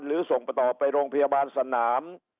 หรือส่งต่อไปโรงพยาบาลสนาม